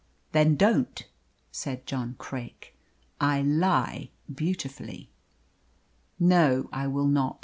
"Then don't!" said John Craik. "I lie beautifully!" "No, I will not.